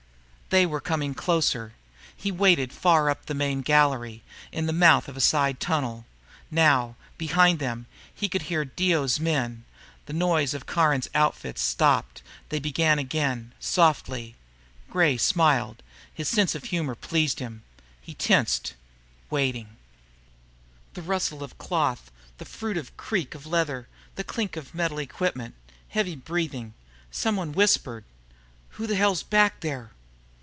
They were coming closer. He waited far up in the main gallery, in the mouth of a side tunnel. Now, behind them, he could hear Dio's men. The noise of Caron's outfit stopped, then began again, softly. Gray smiled, his sense of humor pleased. He tensed, waiting. The rustle of cloth, the furtive creak of leather, the clink of metal equipment. Heavy breathing. Somebody whispered, "Who the hell's that back there?"